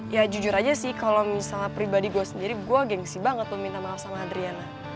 ya jujur aja sih kalo misalnya pribadi gua sendiri gua gengsi banget lu minta maaf sama adriana